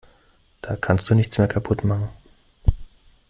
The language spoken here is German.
Da kannst du nichts mehr kaputt machen.